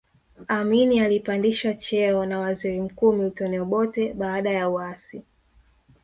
Amin alipandishwa cheo na waziri mkuu Milton Obote baada ya uasi